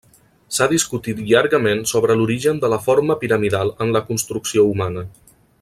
S'ha discutit llargament sobre l'origen de la forma piramidal en la construcció humana.